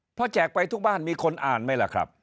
เพราะแจกไปทุกบ้านมีคนอ่านไหมล่ะครับ